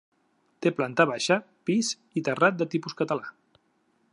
Té planta baixa, pis i terrat de tipus català.